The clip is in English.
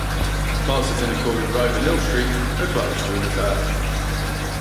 Parts of Tinakori Road and Hill Street are closed during the fair.